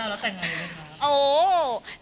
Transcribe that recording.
ซาดาแล้วแต่งอะไรเลยคะ